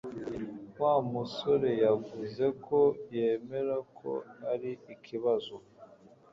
wa musoreyavuze ko yemera ko ari ikibazo.